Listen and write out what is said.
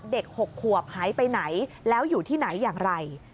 ๖ขวบหายไปไหนแล้วอยู่ที่ไหนอย่างไร